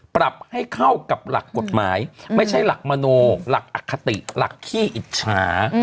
ปรับให้เข้ากับหลักกฎหมายไม่ใช่หลักมโนหลักอคติหลักขี้อิจฉา